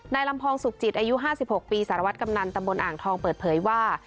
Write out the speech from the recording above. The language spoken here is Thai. ลำพองสุขจิตอายุ๕๖ปีสารวัตรกำนันตำบลอ่างทองเปิดเผยว่า